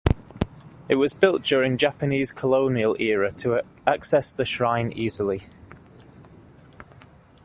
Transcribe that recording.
It was built during Japanese Colonial era to access the shrine easily.